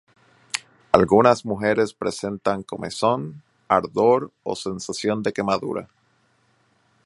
Algunas mujeres presentan comezón, ardor o sensación de quemadura.